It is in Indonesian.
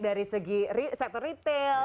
dari segi sektor retail